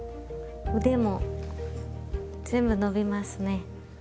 腕も全部伸びますね。